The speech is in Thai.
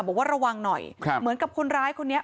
บอกว่าระวังหน่อยเหมือนกับคนร้ายคนนี้